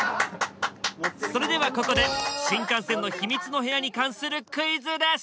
それではここで新幹線の秘密の部屋に関するクイズです。